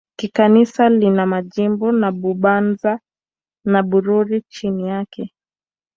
Kikanisa lina majimbo ya Bubanza na Bururi chini yake.